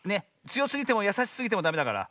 つよすぎてもやさしすぎてもダメだから。